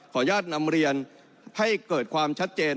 อนุญาตนำเรียนให้เกิดความชัดเจน